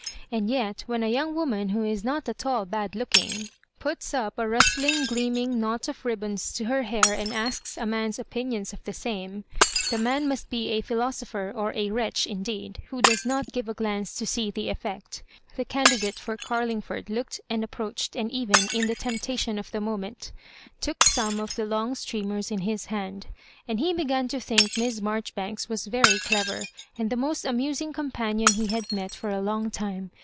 And yet, when a young woman who is not at all bad looking, puts up a rustling, gleam ing, knot of ribbons to ber hair and asks a man's opinion of the same, the man must be a philoso pher or a wretch indeed who does not give a glance to see the effect The candidate for Carlingford looked and approached, and even, in the tempta tion of the moment took some cf the long stream ers in his hand. And he began to think Miss Maijoribanks was very clever, and the most amush ing companion he had met with for a long time.